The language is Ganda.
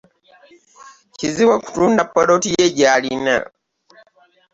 Kizibu okutunda poloti ye gyalina.